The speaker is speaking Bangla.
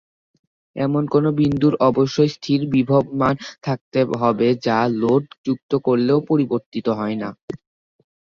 এমন কোনো বিন্দুর অবশ্যই স্থির বিভব মান থাকতে হবে, যা লোড যুক্ত করলেও পরিবর্তিত হয়না।